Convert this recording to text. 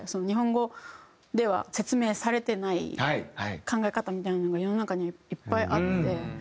日本語では説明されてない考え方みたいなのが世の中にはいっぱいあって。